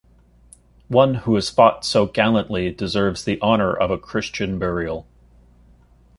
One who has fought so gallantly deserves the honor of a Christian burial.